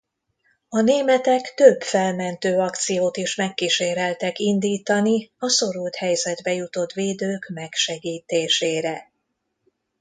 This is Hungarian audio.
A németek több felmentő akciót is megkíséreltek indítani a szorult helyzetbe jutott védők megsegítésére.